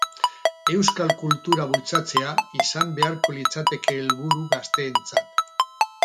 Euskal kultura bultzatzea izan beharko litzateke helburu gazteentzat.